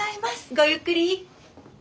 ごゆっくり。